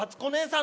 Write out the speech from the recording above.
ん？